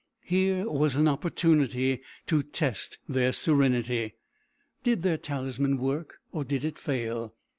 Here was an opportunity to test their serenity. Did their talisman work, or did it fail?